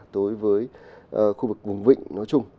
tới với khu vực vùng vịnh nói chung